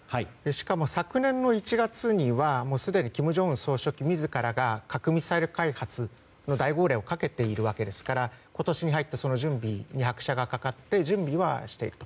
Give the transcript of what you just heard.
しかも昨年の１月にはすでに金正恩総書記自らが核・ミサイル開発の大号令をかけているわけですから今年に入ってその準備に拍車がかかって準備はしている。